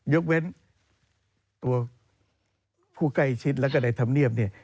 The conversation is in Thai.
ยกเว้นตัวผู้ใกล้ชิดแล้วก็ในธรรมเนียบเนี่ย